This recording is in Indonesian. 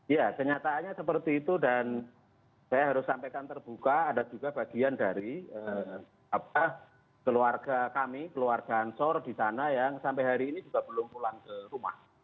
ya kenyataannya seperti itu dan saya harus sampaikan terbuka ada juga bagian dari keluarga kami keluarga ansor di sana yang sampai ke sini